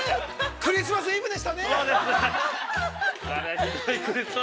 クリスマスイブでしたね？